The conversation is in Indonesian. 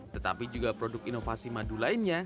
tetapi juga produk inovasi madu lainnya